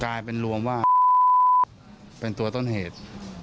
กลายเป็นรวมว่าเป็นตัวต้นเหตุ